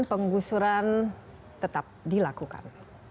penggusuran tetap dilakukan